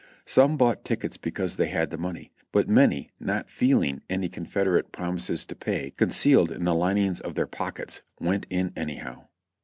Some bought tickets because they had the money, but many not feeling any Confederate Promises to Pay concealed in the linings of their pockets, went in anyhow.